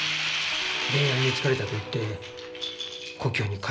恋愛に疲れたと言って故郷に帰っていった。